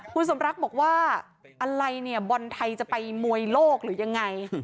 คุณสมรักบอกว่าอะไรเนี่ยบอลไทยจะไปมวยโลกหรือยังไง